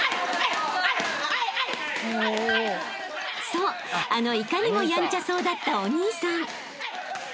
［そうあのいかにもやんちゃそうだった］